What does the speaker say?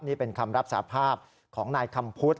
นี่เป็นคำรับสาภาพของนายคำพุทธ